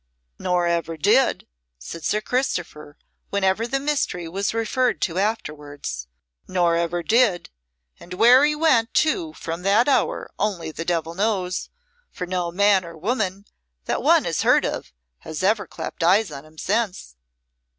"Nor ever did," said Sir Christopher, whenever the mystery was referred to afterwards; "nor ever did, and where he went to from that hour only the devil knows, for no man or woman that one has heard of has ever clapt eyes on him since."